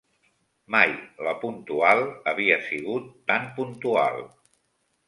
Mai «La Puntual» havia sigut tant puntual